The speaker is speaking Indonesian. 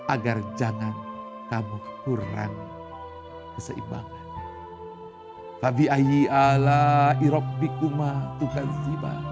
agar jangan kamu kurang keseimbangannya